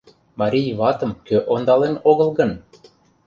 — Марий ватым кӧ ондален огыл гын?